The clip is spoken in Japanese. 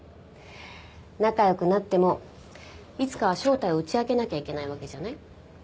仲良くなってもいつかは正体を打ち明けなきゃいけないわけじゃない？